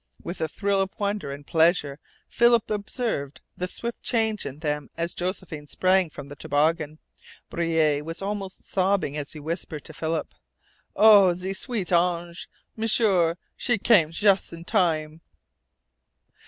With a thrill of wonder and pleasure Philip observed the swift change in them as Josephine sprang from the toboggan. Breuil was almost sobbing as he whispered to Philip: "Oh, ze sweet Ange, M'sieur! She cam jus' in time."